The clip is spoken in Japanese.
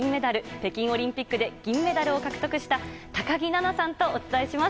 北京オリンピックで銀メダルを獲得した高木菜那さんとお伝えします。